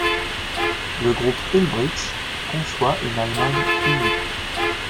Le groupe Ulbricht conçoit une Allemagne unie.